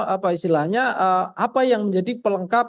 apa istilahnya apa yang menjadi pelengkap